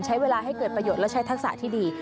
ใช้เวลาให้เกิดประโยชน์และใช้ทักษะที่ดี